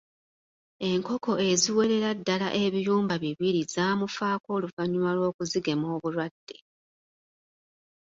Enkoko eziwerera ddala ebiyumba bibiri zaamufaako oluvannyuma lw'okuzigema obulwadde.